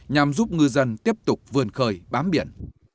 nhằm giúp ngư dân tiếp tục vươn khơi bám biển